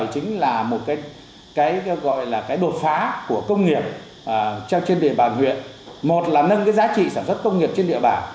cái gọi là cái đột phá của công nghiệp trên địa bàn huyện một là nâng cái giá trị sản xuất công nghiệp trên địa bàn